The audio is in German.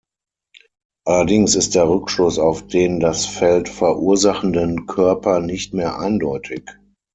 Allerdings ist der Rückschluss auf den das Feld verursachenden Körper nicht mehr eindeutig.